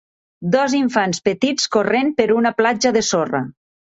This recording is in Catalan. Dos infants petits corrent per una platja de sorra.